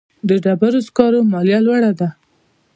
د ډبرو سکرو مالیه لوړه ده